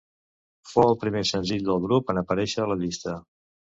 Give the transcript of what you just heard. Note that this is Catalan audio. Fou el primer senzill del grup en aparèixer a la llista.